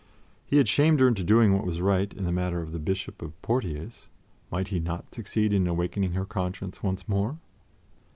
He had shamed her into doing what was right in the matter of the Bishop of Poitiers. Might he not succeed in awakening her conscience once more?